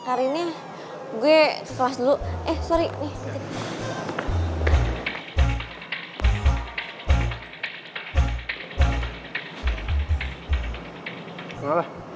karini gue ke kelas dulu eh sorry nih